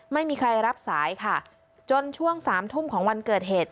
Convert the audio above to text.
ไม่มีใครรับสายค่ะจนช่วงสามทุ่มของวันเกิดเหตุ